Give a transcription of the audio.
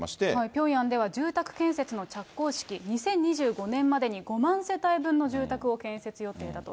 ピョンヤンでは住宅建設の着工式、２０２５年までに５万世帯分の住宅を建設予定だと。